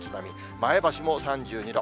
前橋も３２度。